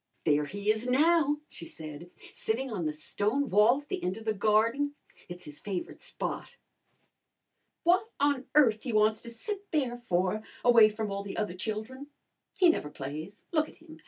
"There he is now," she said, "sitting on the stone wall at the end of the garden. It's his favourite spot." "What on earth he wants to sit there for away from all the other children! He never plays. Look at him!